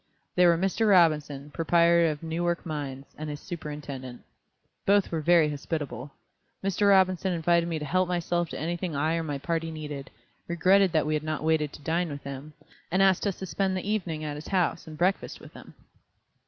They were Mr. Robinson, proprietor of Newark Mines, and his superintendent. Both were very hospitable. Mr. Robinson invited me to help myself to anything I or my party needed, regretted that we had not waited to dine with him, and asked us to spend the evening at his house and breakfast with him.